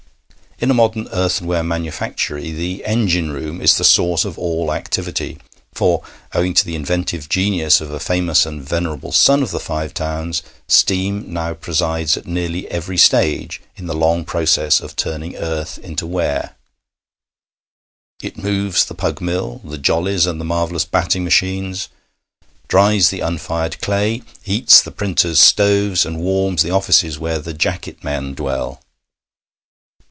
In a modern earthenware manufactory the engine room is the source of all activity, for, owing to the inventive genius of a famous and venerable son of the Five Towns, steam now presides at nearly every stage in the long process of turning earth into ware. It moves the pug mill, the jollies, and the marvellous batting machines, dries the unfired clay, heats the printers' stoves, and warms the offices where the 'jacket men' dwell.